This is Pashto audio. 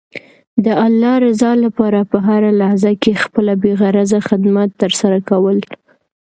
د الله رضا لپاره په هره لحظه کې خپله بې غرضه خدمت ترسره کول.